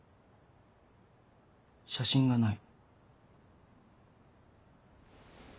写真がない。